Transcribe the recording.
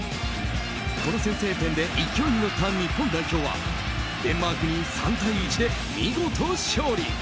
この先制点で勢いに乗った日本代表はデンマークに３対１で見事勝利。